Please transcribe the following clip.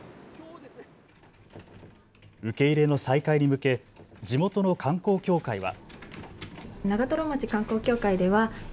受け入れの再開に向け地元の観光協会は。